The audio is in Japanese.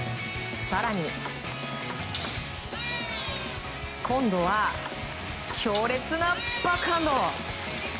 更に、今度は強烈なバックハンド！